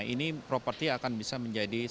ini properti akan bisa menjadi